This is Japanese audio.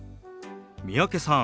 三宅さん